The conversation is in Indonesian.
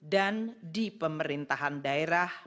dan di pemerintahan daerah